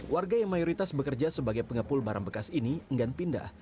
warga yang mayoritas bekerja sebagai pengepul barang bekas ini enggan pindah